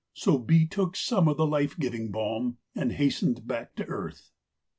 So the bee took some of the life giving balm and hastened back to earth.